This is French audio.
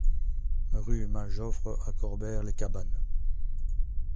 Rue Mal Joffre à Corbère-les-Cabanes